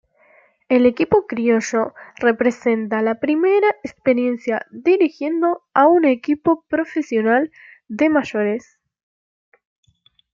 El equipo 'criollo' representa la primera experiencia dirigiendo a un equipo profesional de mayores.